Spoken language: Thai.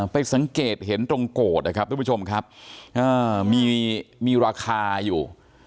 ไปสังเกตเห็นตรงโกรธนะครับทุกผู้ชมครับมีราคาอยู่